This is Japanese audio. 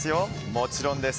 もちろんです。